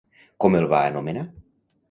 Com el va anomenar?